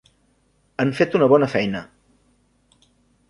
Han fet una bona feina.